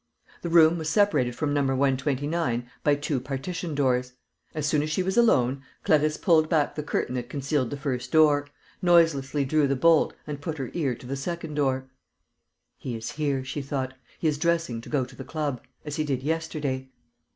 The room was separated from No. 129 by two partition doors. As soon as she was alone, Clarisse pulled back the curtain that concealed the first door, noiselessly drew the bolt and put her ear to the second door: "He is here," she thought. "He is dressing to go to the club ... as he did yesterday."